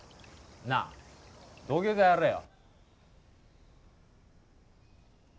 なあ土下座やれよ！